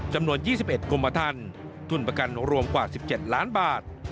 จำนวน๒๑กรมทันทุนประกันรวมกว่า๑๗ล้านบาท